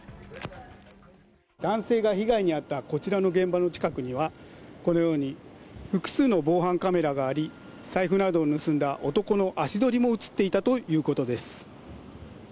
男性が被害に遭ったこちらの現場の近くには、このように複数の防犯カメラがあり、財布などを盗んだ男の足取りも写っていたということです。